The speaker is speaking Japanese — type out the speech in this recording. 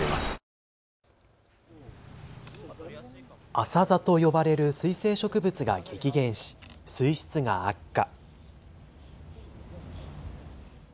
アサザと呼ばれる水生植物が激減し、水質が悪化。